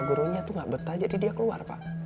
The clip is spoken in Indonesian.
gurunya itu gak betah jadi dia keluar pak